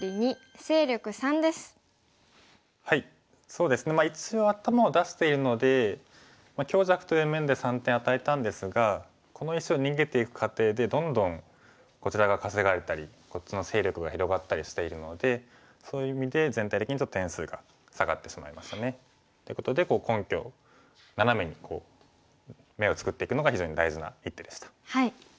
そうですね一応頭を出しているので強弱という面で３点与えたんですがこの石を逃げていく過程でどんどんこちら側稼がれたりこっちの勢力が広がったりしているのでそういう意味で全体的にちょっと点数が下がってしまいましたね。ということで根拠をナナメに眼を作っていくのが非常に大事な一手でした。